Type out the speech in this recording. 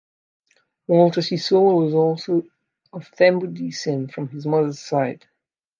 Walter Sisulu was also of Thembu descent from his mother's side.